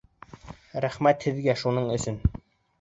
Рәхмәт һеҙгә шуның өсөн.